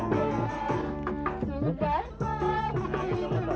biar gue aman ngepet